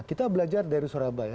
kita belajar dari surabaya